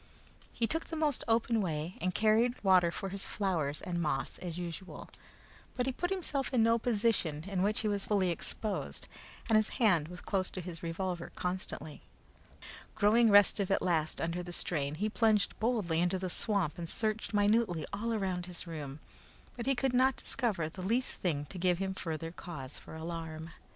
He took the most open way, and carried water for his flowers and moss as usual; but he put himself into no position in which he was fully exposed, and his hand was close his revolver constantly. Growing restive at last under the strain, he plunged boldly into the swamp and searched minutely all around his room, but he could not discover the least thing to give him further cause for alarm.